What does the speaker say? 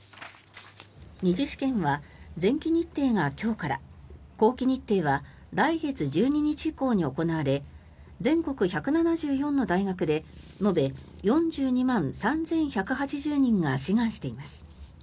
２次試験は前期日程が今日から後期日程は来月１２日以降に行われ全国１７４の大学で延べ４２万３１８０人が志願しています。